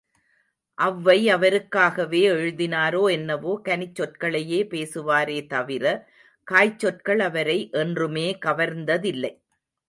அவ்வை அவருக்காகவே எழுதினாரோ என்னவோ கனிச் சொற்களையே பேசுவாரே தவிர, காய்ச்சொற்கள் அவரை என்றுமே கவர்ந்ததில்லை.